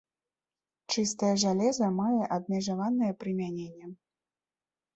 Чыстае жалеза мае абмежаванае прымяненне.